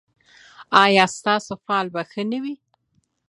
ایا ستاسو فال به ښه نه وي؟